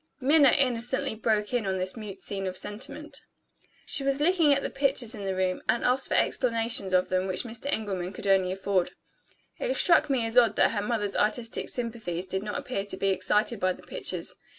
Minna innocently broke in on this mute scene of sentiment. She was looking at the pictures in the room, and asked for explanations of them which Mr. Engelman only could afford. It struck me as odd that her mother's artistic sympathies did not appear to be excited by the pictures.